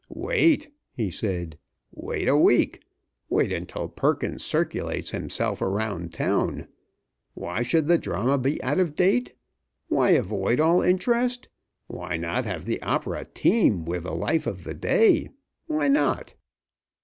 "Wait!" he said, "wait a week. Wait until Perkins circulates himself around town. Why should the drama be out of date? Why avoid all interest? Why not have the opera teem with the life of the day? Why not?"